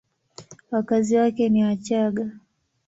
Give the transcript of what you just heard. Wakazi wake ni Wachagga.